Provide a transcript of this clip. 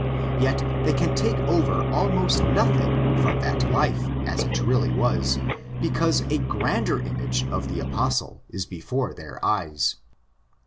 Yet they can take over almost nothing from that life as it really was, because a grander image of the Apostle is before their eyes.